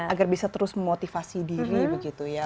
agar bisa terus memotivasi diri begitu ya